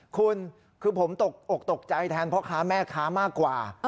คุณคือผมตกอกตกใจแทนพ่อค้าแม่ค้ามากกว่า